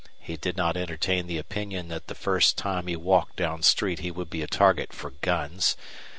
He did not entertain the opinion that the first time he walked down street he would be a target for guns.